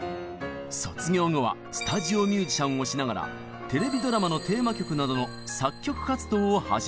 卒業後はスタジオミュージシャンをしながらテレビドラマのテーマ曲などの作曲活動を始めるのです。